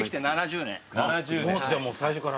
あっじゃあ最初から。